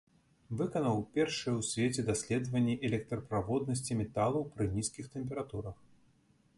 Выканаў першыя ў свеце даследаванні электраправоднасці металаў пры нізкіх тэмпературах.